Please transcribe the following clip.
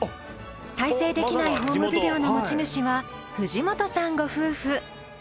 再生できないホームビデオの持ち主は藤本さんご夫婦。